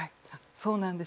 そうなんです。